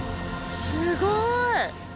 すごい！